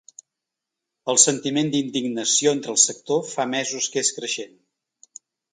El sentiment d’indignació entre el sector fa mesos que és creixent.